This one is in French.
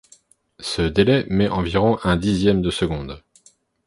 Ce délai met environ un dixième de seconde.